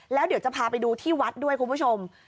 แล้วเดี๋ยวจะพาไปดูที่วัดด้วยคุณผู้ชม